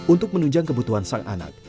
untuk menunjang kebutuhan sang anak